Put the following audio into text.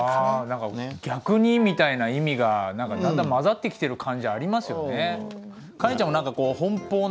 何か「逆に」みたいな意味がだんだん混ざってきてる感じありますよね。